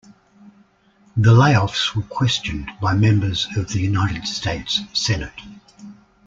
The layoffs were questioned by members of the United States Senate.